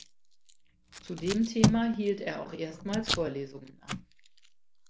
Zu dem Thema hielt er auch erstmals Vorlesungen ab.